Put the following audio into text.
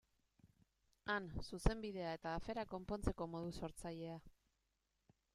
Han, Zuzenbidea eta aferak konpontzeko modu sortzailea.